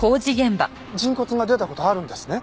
人骨が出た事あるんですね？